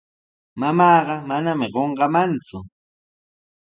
Mamaaqa manami qunqamanku.